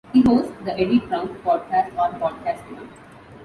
He hosts "The Eddie Trunk Podcast" on PodcastOne.